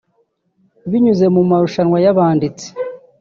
binyuze mu marushanwa y’abanditsi